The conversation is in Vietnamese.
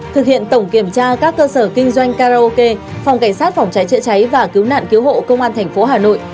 thực hiện tổng kiểm tra các cơ sở kinh doanh karaoke phòng cảnh sát phòng cháy chữa cháy và cứu nạn cứu hộ công an tp hà nội